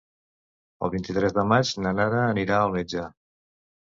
El vint-i-tres de maig na Nara anirà al metge.